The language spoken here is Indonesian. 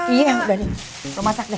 iya udah deh lo masak deh